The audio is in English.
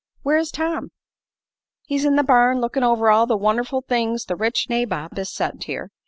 "Where is Tom?" "In the barn, lookin' over all the won'erful things the rich nabob has sent here.